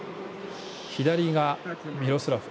左がミロスラフ。